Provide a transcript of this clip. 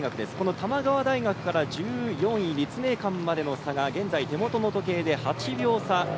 玉川大学から１４位立命館までの差が現在手元の時計で８秒差。